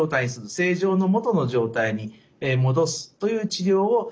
正常の元の状態に戻すという治療を行います。